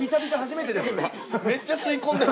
めっちゃ吸い込んでる。